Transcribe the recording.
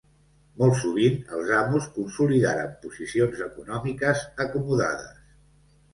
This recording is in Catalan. Molt sovint els amos consolidaren posicions econòmiques acomodades.